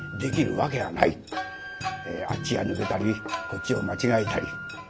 あっちが抜けたりこっちを間違えたり。